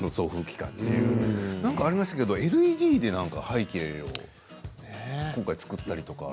なんかありましたけど、ＬＥＤで背景を今回作ったとか。